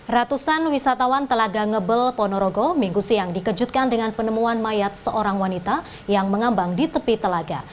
ratusan wisatawan telaga ngebel ponorogo minggu siang dikejutkan dengan penemuan mayat seorang wanita yang mengambang di tepi telaga